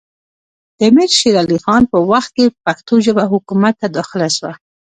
د امیر شېر علي خان په وخت کې پښتو ژبه حکومت ته داخله سوه